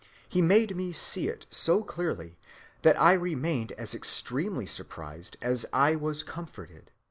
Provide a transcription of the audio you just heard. He made me see it so clearly that I remained as extremely surprised as I was comforted